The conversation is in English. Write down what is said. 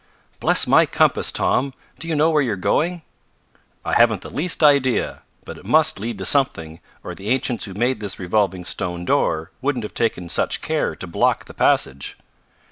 "Bless my compass, Tom! do you know where you're going?" "I haven't the least idea, but it must lead to something, or the ancients who made this revolving stone door wouldn't have taken such care to block the passage."